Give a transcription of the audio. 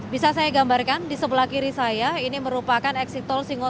bisa saya gambarkan di sebelah kiri saya ini merupakan eksitol singok